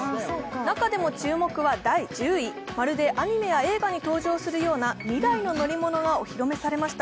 中でも注目は第１０位、まるでアニメや映画に登場するような未来の乗り物がお披露目されました。